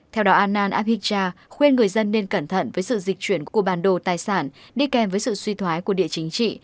theo đó annan abhitcha khuyên người dân nên cẩn thận với sự dịch chuyển của bản đồ tài sản đi kèm với sự suy thoái của địa chính trị